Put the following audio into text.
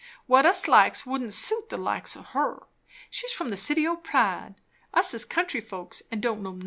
"What us likes wouldn't suit the likes o' her. She's from the City o' Pride. Us is country folks, and don't know nothin'."